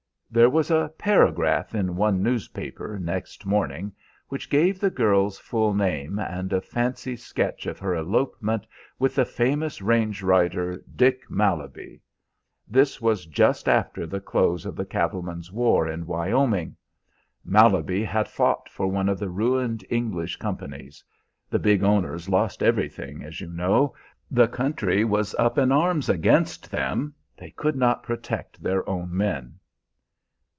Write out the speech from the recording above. "There was a paragraph in one newspaper, next morning, which gave the girl's full name, and a fancy sketch of her elopement with the famous range rider Dick Malaby. This was just after the close of the cattlemen's war in Wyoming. Malaby had fought for one of the ruined English companies. (The big owners lost everything, as you know. The country was up in arms against them; they could not protect their own men.)